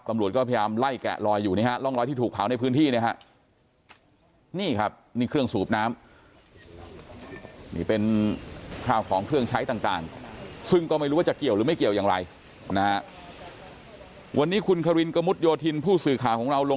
ตำรวจก็พยายามไล่แกะลอยอยู่นี่ฮะร่องรอยที่ถูกเผาในพื้นที่นะฮะ